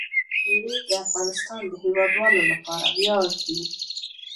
مېوې د افغانستان د هیوادوالو لپاره ویاړ دی.